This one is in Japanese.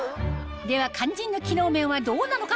では肝心の機能面はどうなのか？